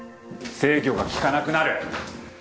制御が利かなくなる！